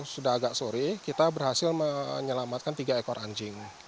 sudah agak sore kita berhasil menyelamatkan tiga ekor anjing